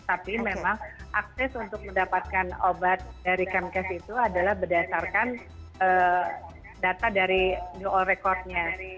tapi memang akses untuk mendapatkan obat dari kemkes itu adalah berdasarkan data dari new all record nya